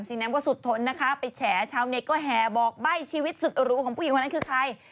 น้ำก็สุดทนนะคะไปแฉชาวเน็ตก็แห่บอกใบ้ชีวิตสุดหรูของผู้หญิงคนนั้นคือใคร